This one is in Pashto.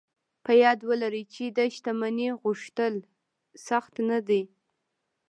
په یاد و لرئ چې د شتمنۍ غوښتل سخت نه دي